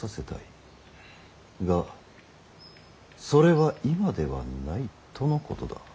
がそれは今ではないとのことだ。